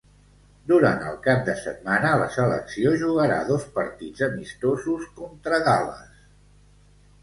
Durant el cap de setmana la selecció jugarà dos partits amistosos contra Gal·les.